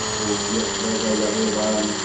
Ur lliɣ slaẓayeɣ iḍan.